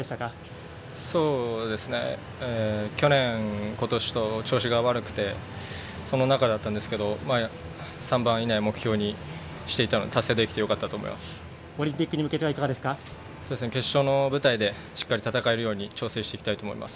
去年ことしと調子が悪くてその中だったんですけど３番以内を目標にしていてオリンピックに向けて決勝の舞台でしっかり戦えるように調整していきたいと思います。